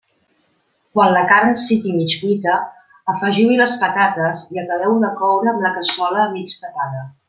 Quan la carn sigui mig cuita, afegiu-hi les patates i acabeu-ho de coure amb la cassola mig tapada.